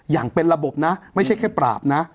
อย่างเป็นระบบนะไม่ใช่แค่ปราบนะ